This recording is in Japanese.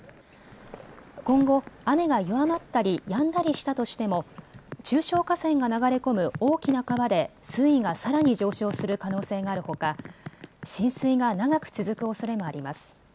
今後雨が弱まったりやんだりしたとしても中小河川が流れ込む大きな川で水位がさらに上昇する可能性があるほか浸水が長く続くおそれもあります。